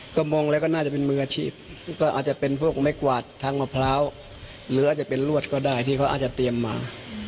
ก็มองแล้วก็น่าจะเป็นมืออาชีพก็อาจจะเป็นพวกไม้กวาดทางมะพร้าวหรืออาจจะเป็นรวดก็ได้ที่เขาอาจจะเตรียมมา